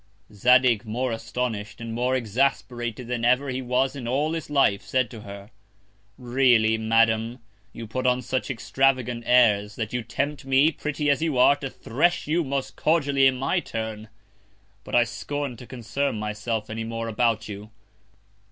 Zadig more astonish'd, and more exasperated than ever he was in all his Life, said to her: Really, Madam, you put on such extravagant Airs, that you tempt me, pretty as you are, to thresh you most cordially in my Turn; but I scorn to concern my self any more about you.